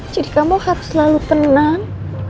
jadi kamu harus selalu tenang